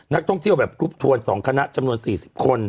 นักท่องเที่ยวแบบกรุ๊ปทวน๒คณะจำนวน๔๐คน